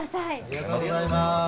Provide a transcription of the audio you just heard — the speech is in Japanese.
ありがとうございます。